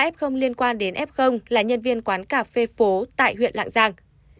một mươi ba f liên quan đến f là nhân viên quán cà phê phố tại huyện lạng giang